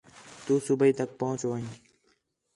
تُو صُبیح تک پُہچ ون٘ڄ